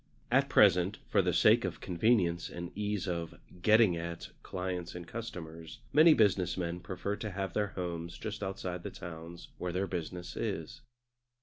At present, for the sake of convenience and ease of "getting at" clients and customers, many business men prefer to have their homes just outside the towns where their business is.